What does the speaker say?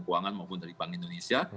keuangan maupun dari bank indonesia